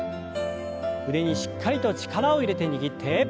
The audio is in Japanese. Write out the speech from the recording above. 腕にしっかりと力を入れて握って。